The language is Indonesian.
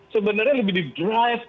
sebenarnya lebih didrive